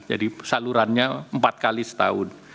jadi salurannya empat kali setahun